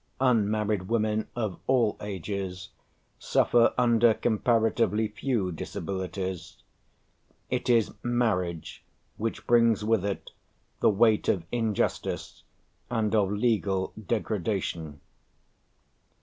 Unmarried women of all ages suffer under comparatively few disabilities; it is marriage which brings with it the weight of injustice and of legal degradation.